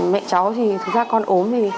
mẹ cháu thì thật ra con ốm